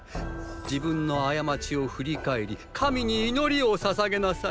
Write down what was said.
自分の過ちを振り返り神に祈りを捧げなさい。